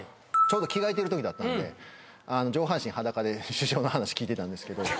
ちょうど着替えてるときだったんで上半身裸で首相の話聞いてたんですけど。